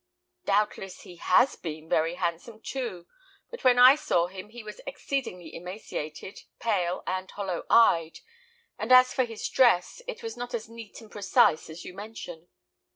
Doubtless he has been very handsome, too, but when I saw him, he was exceedingly emaciated, pale and hollow eyed; and as for his dress, it was not as neat and precise as you mention.